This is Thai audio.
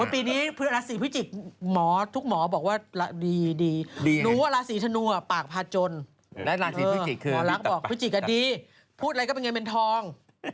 ปีนี้ราศีพิจิกษ์ทุกหมอบอกว่าดีหนูราศีธนูอ่ะปากพาจนและราศีพิจิกษ์คือหมอรักบอกพิจิกษ์ก็ดีพูดอะไรก็เป็นเงียบเป็นทอง